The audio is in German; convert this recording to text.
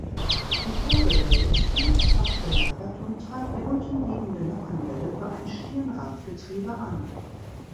Die Kurbelwelle ist fünffach gelagert und treibt die untenliegende Nockenwelle über ein Stirnradgetriebe an.